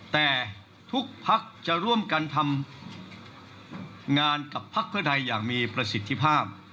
แต่ทุกภักดิ์จะร่วมกันทำงานกับพักเพื่อไทยอย่างมีประสิทธิภาพ